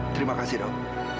terima kasih dok